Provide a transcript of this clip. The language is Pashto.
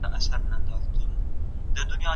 زحمت تل ښه پایله لري.